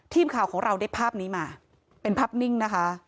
ทีมข่าวของเราได้ภาพนี้มาเป็นภาพนิ่งนะคะ